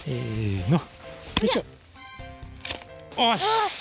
よし！